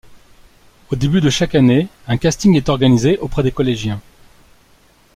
Au début de chaque année, un casting est organisé auprès des collégiens.